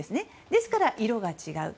ですから色が違う。